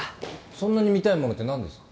そんなに見たいものって何ですか。